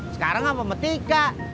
sekarang apa mertika